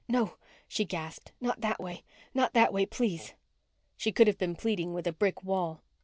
"No," she gasped. "Not that way. Not that way please." She could have been pleading with a brick wall.